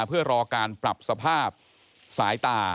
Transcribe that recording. เพื่อรอการปรับสภาพสายตา